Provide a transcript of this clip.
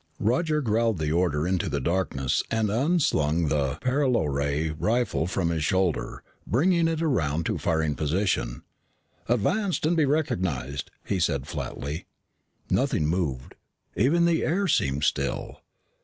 Roger growled the order into the darkness and unslung the paralo ray rifle from his shoulder, bringing it around to firing position. "Advance and be recognized," he said flatly. Nothing moved. Even the air seemed still.